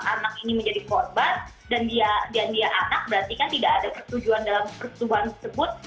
anak ini menjadi korban dan dia anak berarti kan tidak ada persetujuan dalam persetuhan tersebut